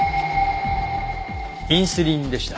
インスリンでした。